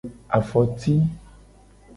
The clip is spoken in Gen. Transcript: Afoti.